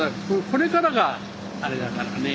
これからがあれだからね。